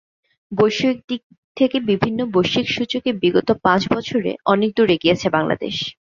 বৈষয়িক দিক থেকে বিভিন্ন বৈশ্বিক সূচকে বিগত পাঁচ বছরে অনেক দূর এগিয়েছে বাংলাদেশ।